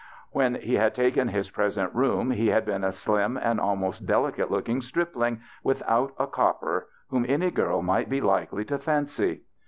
When he had taken his present room he had been a slim and almost delicate looking stripling without a copper, whom any girl might be likely to fancy.